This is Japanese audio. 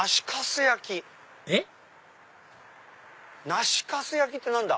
梨粕焼って何だ？